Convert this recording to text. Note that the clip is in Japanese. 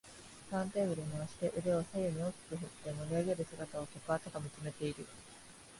ターンテーブル回して腕を左右に大きく振って盛りあげる姿を客はただ見つめている